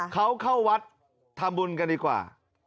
เขาเข้าวัดทำบุญกันดีกว่า